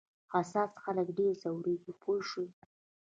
حساس خلک ډېر ځورېږي پوه شوې!.